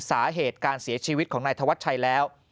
สาเหตุการเสียชีวิตของนายธวัชชัยแล้ว